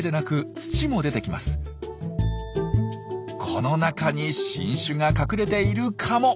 この中に新種が隠れているかも！